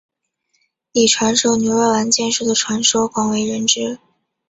以传授牛若丸剑术的传说广为人知。